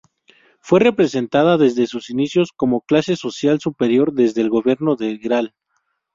Fue representada desde sus inicios como clase social superior desde el gobierno del Gral.